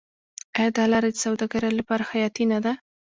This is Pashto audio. آیا دا لاره د سوداګرۍ لپاره حیاتي نه ده؟